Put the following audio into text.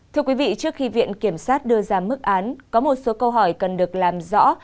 thưa quý vị trước khi viện kiểm sát đưa ra mức án có một số câu hỏi cần được làm rõ